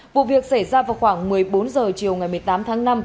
vụ việc xảy ra vào khoảng một mươi bốn h chiều ngày một mươi tám tháng năm